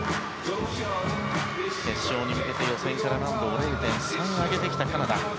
決勝に向けて予選から難度を０．３上げてきたカナダ。